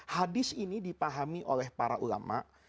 hadis ini dipahami oleh para ulama